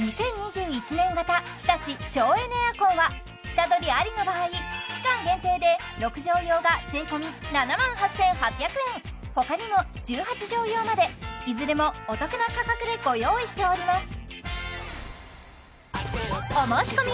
下取りありの場合期間限定で６畳用が税込７万８８００円他にも１８畳用までいずれもお得な価格でご用意しております